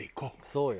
そうよ。